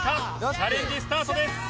チャレンジスタートです。